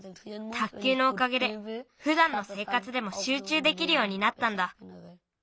卓球のおかげでふだんのせいかつでもしゅうちゅうできるようになったんだ。